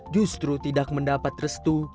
justru tidak mendapat restu